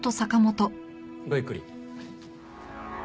ごゆっくり。